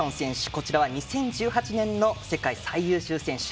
こちらは２０１８年の世界最優秀選手。